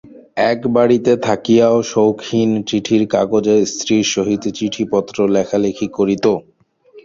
এক বাড়িতে থাকিয়াও শৌখিন চিঠির কাগজে স্ত্রীর সহিত চিঠিপত্র লেখালেখি করিত।